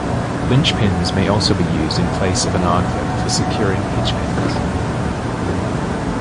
Linchpins may also be used in place of an R-clip for securing hitch pins.